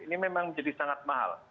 ini memang jadi sangat mahal